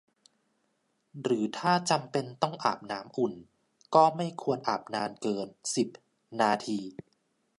หรือถ้าจำเป็นต้องอาบน้ำอุ่นก็ไม่ควรอาบนานเกิน สิบ นาที